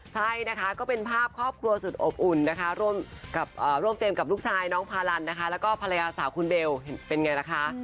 ใช่นะคะก็เป็นภาพครอบครัวสุดอบอุ่นนะคะร่วมเฟรมกับลูกชายน้องพารันนะคะแล้วก็ภรรยาสาวคุณเบลเป็นไงล่ะคะ